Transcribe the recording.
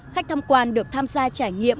khách thăm quan được tham gia trải nghiệm